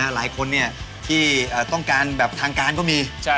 หลายคนไม่เลยเป็นได้ต้องการอย่างทางการอยู่